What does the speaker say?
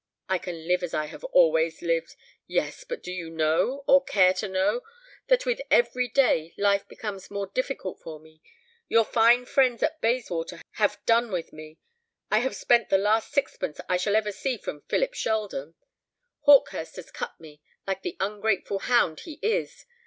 I can live as I have always lived! Yes; but do you know, or care to know, that with every day life becomes more difficult for me? Your fine friends at Bayswater have done with me. I have spent the last sixpence I shall ever see from Philip Sheldon. Hawkehurst has cut me, like the ungrateful hound he is.